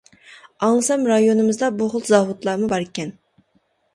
ئاڭلىسام رايونىمىزدا بۇ خىل زاۋۇتلارمۇ باركەن.